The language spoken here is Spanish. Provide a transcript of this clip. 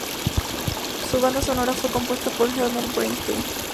Su banda sonora fue compuesta por Elmer Bernstein.